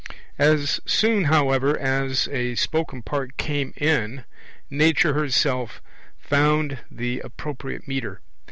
As soon, however, as a spoken part came in, nature herself found the appropriate metre.